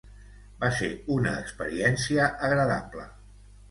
Va ser una experiència agradable.